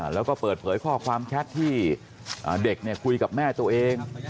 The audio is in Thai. แล้วก็เปิดเผยข้อความแชทที่เด็กคุยกับแม่ตัวเอง